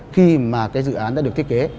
khi mà cái dự án đã được thiết kế